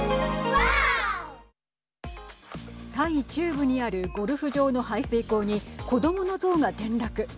タイ中部にあるゴルフ場の排水溝に子どものゾウが転落。